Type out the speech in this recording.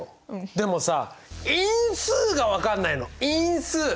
でもさ因数が分かんないの。